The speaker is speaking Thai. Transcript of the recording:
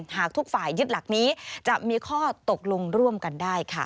หากทุกฝ่ายยึดหลักนี้จะมีข้อตกลงร่วมกันได้ค่ะ